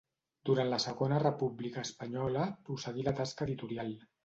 Durant la Segona República Espanyola prosseguí la tasca editorial.